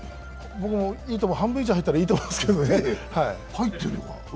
僕も、半分以上入ったらいいと思いますけど。